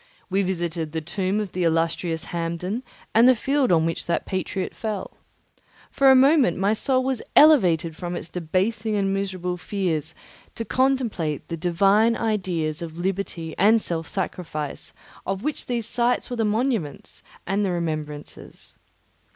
We visited the tomb of the illustrious Hampden and the field on which that patriot fell. For a moment my soul was elevated from its debasing and miserable fears to contemplate the divine ideas of liberty and self sacrifice of which these sights were the monuments and the remembrancers.